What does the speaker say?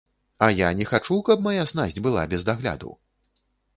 А я не хачу, каб мая снасць была без дагляду?